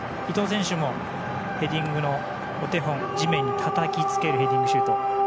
伊東選手もヘディングのお手本地面にたたきつけるヘディングシュート。